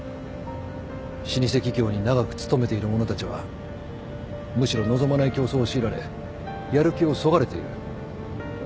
老舗企業に長く勤めている者たちはむしろ望まない競争を強いられやる気をそがれている。